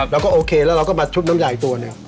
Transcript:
เราก็โอเคแล้วเราก็มาชุบน้ำใหญ่ตัวหนึ่ง